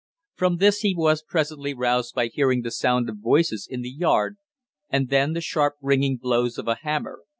From this he was presently roused by hearing the sound of voices in the yard, and then the sharp ringing blows of a hammer.